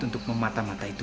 untuk mematah matah itu